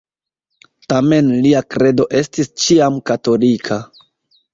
Tamen lia kredo estis ĉiam katolika.